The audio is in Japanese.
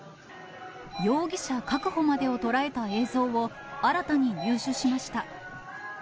容疑者確保までを捉えた映像を、新たに入手しました。